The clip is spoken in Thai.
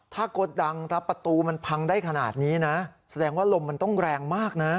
ถ้ากดดังถ้าประตูมันพังได้ขนาดนี้นะแสดงว่าลมมันต้องแรงมากนะ